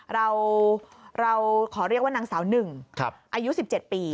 เราขอเรียกว่านางสาวหนึ่งอายุ๑๗ปี